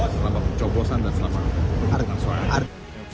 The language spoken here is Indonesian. selama pecobosan dan selama perang suara